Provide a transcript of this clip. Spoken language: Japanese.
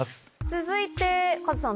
続いてカズさん